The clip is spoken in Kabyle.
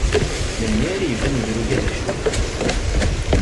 Melmi ara iban udrug-a d acu-t?